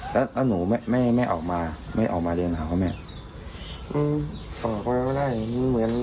แล้วหนูไม่ออกมาไม่ออกมาเรียนหาว่าไหมอืม